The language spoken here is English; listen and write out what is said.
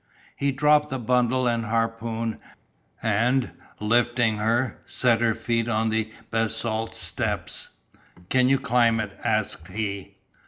He dropped the bundle and harpoon, and, lifting her, set her feet on the basalt steps. "Can you climb it?" asked he.